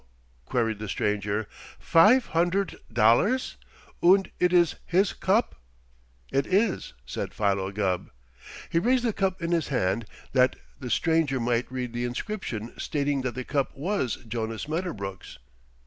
queried the stranger. "Fife hunderdt dollars? Und it is his cup?" "It is," said Philo Gubb. He raised the cup in his hand that the stranger might read the inscription stating that the cup was Jonas Medderbrook's.